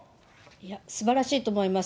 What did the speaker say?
いや、すばらしいと思います。